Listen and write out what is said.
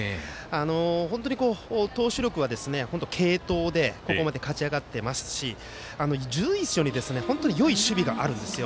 本当に、投手力は継投でここまで勝ちあがっていますし随所に本当によい守備があるんですよ。